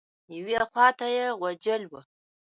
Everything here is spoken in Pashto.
یوې خوا ته یې غوجل وه.